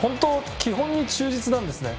基本に忠実なんですね。